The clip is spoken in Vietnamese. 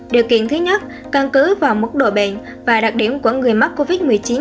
điều kiện thứ nhất căn cứ vào mức độ bệnh và đặc điểm của người mắc covid một mươi chín